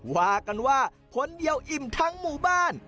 ว่ากันว่าผลเดียวอิ่มทั้งหมู่บ้าน